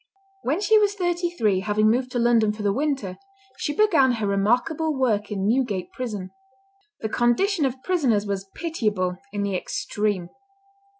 When she was thirty three, having moved to London for the winter, she began her remarkable work in Newgate prison. The condition of prisoners was pitiable in the extreme.